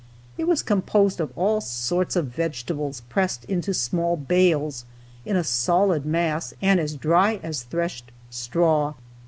It was composed of all sorts of vegetables, pressed into small bales, in a solid mass, and as dry as threshed straw.